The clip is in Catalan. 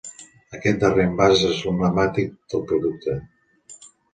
Aquest darrer envàs és l'emblemàtic del producte.